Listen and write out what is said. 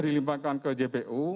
dilimpankan ke jpu